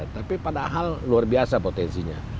tapi padahal luar biasa potensinya